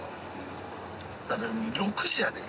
だって６時やで。